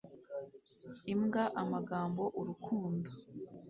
imbwa amagambo urukundo